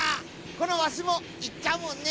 このわしもいっちゃうもんね！